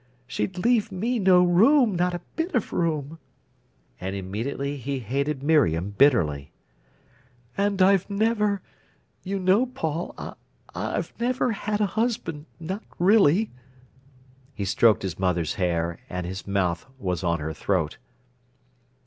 She'd leave me no room, not a bit of room—" And immediately he hated Miriam bitterly. "And I've never—you know, Paul—I've never had a husband—not really—" He stroked his mother's hair, and his mouth was on her throat.